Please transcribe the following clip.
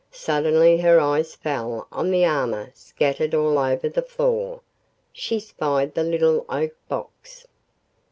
Suddenly her eye fell on the armor scattered all over the floor. She spied the little oak box.